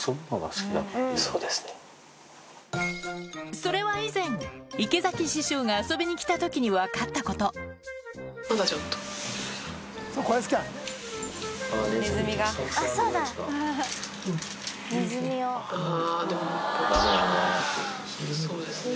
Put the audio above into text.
それは以前池崎師匠が遊びに来た時に分かったことダメだね。